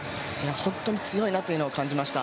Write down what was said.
本当に強いなというのを感じました。